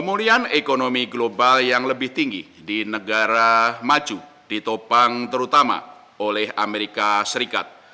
pemulihan ekonomi global yang lebih tinggi di negara maju ditopang terutama oleh amerika serikat